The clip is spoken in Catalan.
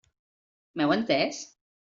M'heu entès?